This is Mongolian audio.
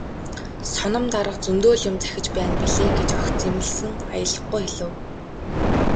"Соном дарга зөндөө л юм захиж байна билээ" гэж огт зэмлэсэн аялгагүй хэлэв.